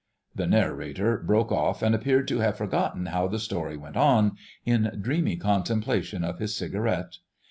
The narrator broke off and appeared to have forgotten how the story went on, in dreamy contemplation of his cigarette.